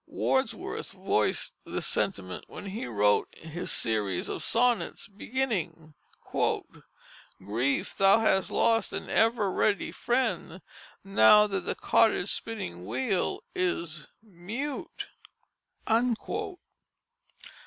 Wordsworth voiced this sentiment when he wrote his series of sonnets beginning: "Grief! thou hast lost an ever ready friend Now that the cottage spinning wheel is mute."